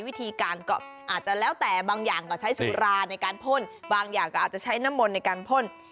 วิธีการก็อาจจะแล้วแต่บางอย่างก็ใช้สุราในการพ่นบางอย่างก็อาจจะใช้น้ำมนต์ในการพ่น